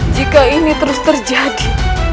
jika ini terus terjadi